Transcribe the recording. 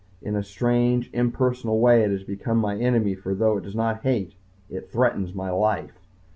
In a strange, impersonal way it has become my enemy for though it does not hate, it threatens my life.